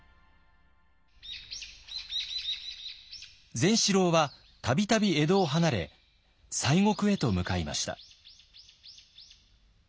善四郎は度々江戸を離れ西国へと向かいました。